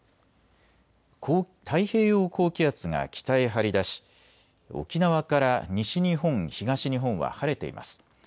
太平洋高気圧が北へ張り出し、沖縄から西日本、東日本は晴れています。